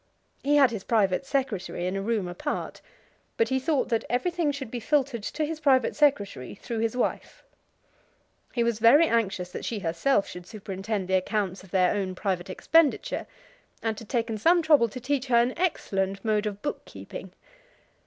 He had his private secretary in a room apart, but he thought that everything should be filtered to his private secretary through his wife. He was very anxious that she herself should superintend the accounts of their own private expenditure, and had taken some trouble to teach her an excellent mode of book keeping.